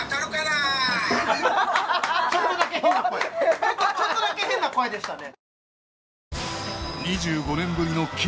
ちょっとだけ変な声ちょっとだけ変な声でしたね